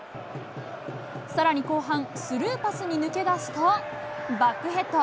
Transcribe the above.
さらに後半、スルーパスに抜け出すと、バックヘッド。